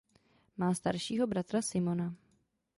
Má staršího bratra Simona.